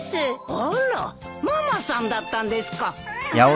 あらママさんだったんですか。